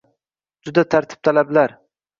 Juda tartibtalablar